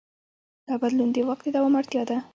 دا بدلون د واک د دوام اړتیا ده.